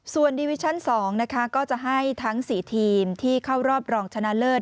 ส่วนดิวิชั่น๒นะคะก็จะให้ทั้ง๔ทีมที่เข้ารอบรองชนะเลิศ